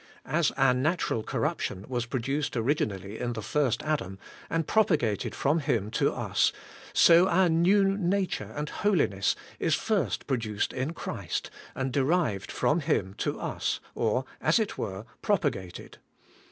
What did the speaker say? As our natural corruption was pro duced originally in the first Adam, and propagated from him to us, so our neio stature and holiness is first produced in Christy and derived from Him to us^ or^ as it were^ propagated.